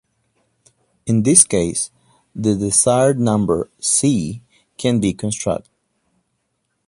In this case, the desired number "c" can be constructed.